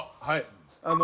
はい。